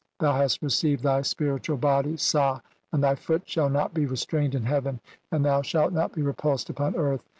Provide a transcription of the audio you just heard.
"Thou hast received thy (2 3) spiritual body (sah), and "thy foot shall not be restrained in heaven, and thou "shalt not be repulsed upon earth.